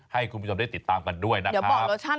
ให้คุณผู้ชมได้ติดตามกันด้วยนะครับ